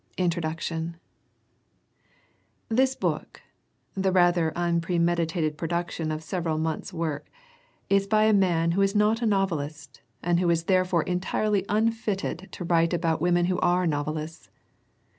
357 INTRODUCTION THIS book, the rather unpremeditated produc tion of several months' work, is by a man who is not a novelist and who is therefore entirely unfitted to write about women who are nov elists.